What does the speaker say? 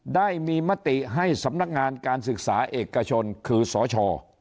ได้มีมติให้สำนักงานการศึกษาเอกชนคือสช